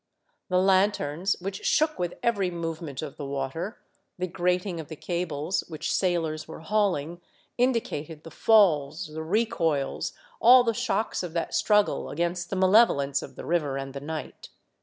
The lanterns, which shook with every movement of the water, the grating of the cables, which sailors were hauling, indicated the falls, the recoils, all the shocks of that struggle against the malevolence of the river and the night.